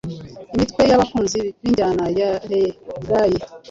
imitwe y’abakunzi b’injyana ya Reggae